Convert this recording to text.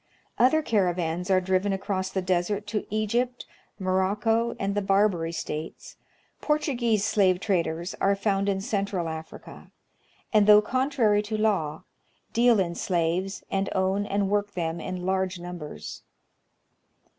Other caravans are driven across the desert to Egypt, Morocco, and the Barbary States. Portuguese slave traders are found in Central Africa, and, though contrary to law, deal in slaves, and own and work them in large numbers.